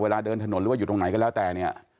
เดินถนนหรือว่าอยู่ตรงไหนก็แล้วแต่เนี่ย